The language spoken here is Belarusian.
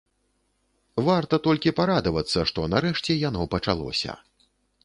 Варта толькі парадавацца, што нарэшце яно пачалося.